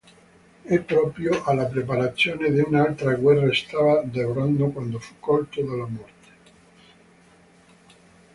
E proprio alla preparazione di un'altra guerra stava lavorando quando fu colto dalla morte.